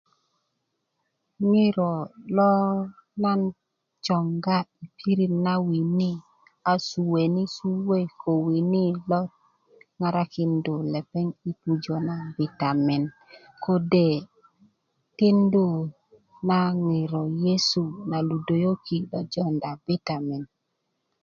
ŋiro lo nan joŋga yi pirit na wini a sueeni' suwe ko wini lo ŋarakinda lepeŋ yi pujö ma bitamen kode' tindu na ŋiro yi nyesu na ludööki lo jonda bitamen